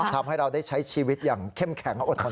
ทำให้เราได้ใช้ชีวิตอย่างเข้มแข็งอดทน